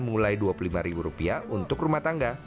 mulai rp dua puluh lima untuk rumah tangga